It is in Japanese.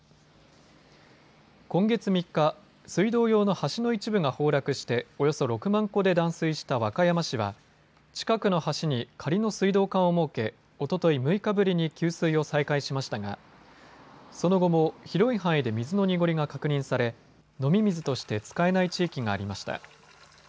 今月３日、水道用の橋の一部が崩落しておよそ６万戸で断水した和歌山市は近くの橋に仮の水道管を設けおととい６日ぶりに給水を再開しましたがその後も広い範囲で水の濁りが確認され飲み水として使えない地域がありました。